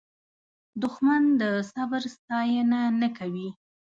دښمن د صبر ستاینه نه کوي